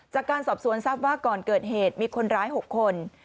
จากการสอบสวนทรัพย์ว่าก่อนเกิดเหตุมีคนร้าย๖คน